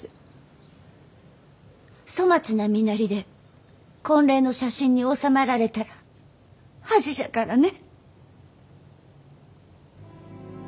粗末な身なりで婚礼の写真に収まられたら恥じゃからね。